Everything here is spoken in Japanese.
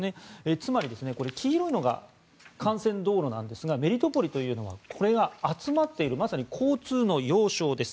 つまり、これ、黄色いのが幹線道路なんですがメリトポリというのはこれが集まっているまさに交通の要衝です。